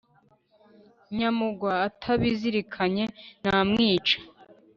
nyamugwa atabizirikanye namwica